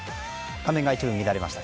画面が一部乱れました。